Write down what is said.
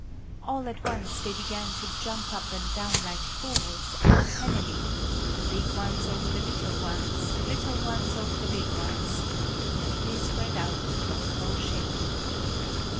All at once, they began to jump up and down like fools, uncannily, the big ones over the little ones, the little ones over the big ones then they spread out and lost all shape.